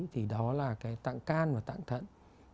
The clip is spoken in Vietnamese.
thì đó là cái tạng can và tạng thận